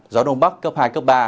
gió đông bắc cấp hai cấp ba